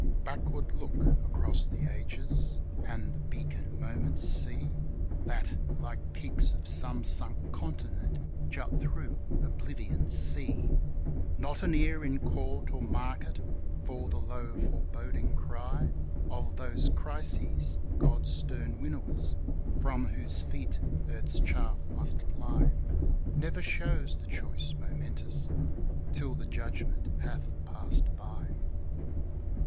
Backward look across the ages and the beacon moments see, That, like peaks of some sunk continent, jut through Oblivion's sea; Not an ear in court or market for the low foreboding cry Of those Crises, God's stern winnowers, from whose feet earth's chaff must fly; Never shows the choice momentous till the judgment hath passed by.